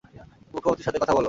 মুখ্যমন্ত্রির সাথে কথা বলো।